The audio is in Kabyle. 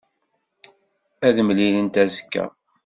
Ad t-mlilent azekka.